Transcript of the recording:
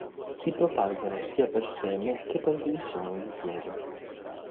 Si propagano sia per seme che per divisione di piede.